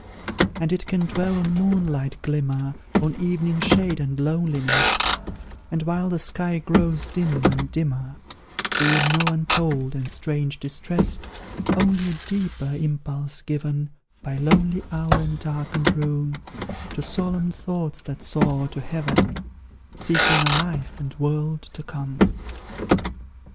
And it can dwell on moonlight glimmer, On evening shade and loneliness; And, while the sky grows dim and dimmer, Feel no untold and strange distress Only a deeper impulse given By lonely hour and darkened room, To solemn thoughts that soar to heaven Seeking a life and world to come.